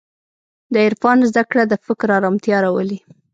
د عرفان زدهکړه د فکر ارامتیا راولي.